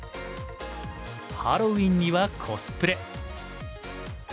ハロウィーンにはコスプレ。